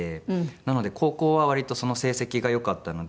なので高校は割と成績が良かったので。